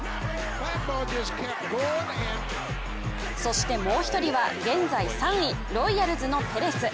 そしてもう一人は現在３位、ロイヤルズのペレス。